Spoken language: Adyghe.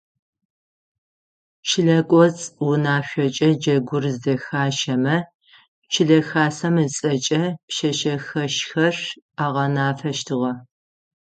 Чылэ кӏоцӏ унашъокӏэ джэгур зэхащэмэ, чылэ хасэм ыцӏэкӏэ пшъэшъэхэщхэр агъэнафэщтыгъэ.